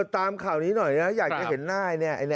ตามข่าวนี้หน่อยนะอยากจะเห็นหน้าเนี่ย